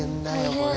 これ。